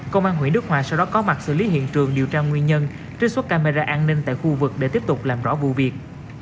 công an huyện đức hòa sau đó có mặt xử lý hiện trường điều tra nguyên nhân trích xuất camera an ninh tại khu vực để tiếp tục làm rõ vụ việc